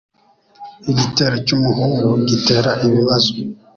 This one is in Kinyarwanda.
Igitero cyumuhungu gitera ibibazo.